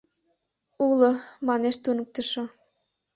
— Уло, — манеш туныктышо.